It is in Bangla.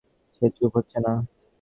সে চুপ হচ্ছে না।